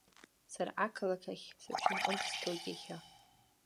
Сара ақалақь ахь, саҳәшьа лҟынӡа сцоит иахьа!